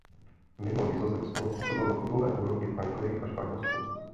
Mimo Nizozemsko působil na klubové úrovni v Anglii a Španělsku.